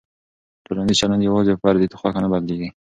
ټولنیز چلند یوازې په فردي خوښه نه بدلېږي.